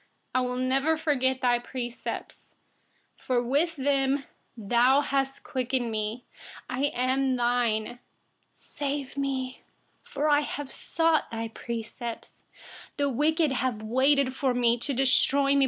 93I will never forget your precepts, for with them, you have revived me. 94I am yours. Save me, for I have sought your precepts. 95The wicked have waited for me, to destroy me.